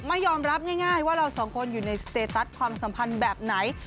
ไม่ยอมรับง่ายว่าเราสองคนอยู่ในสเตตัสความสัมพันธ์แบบไหน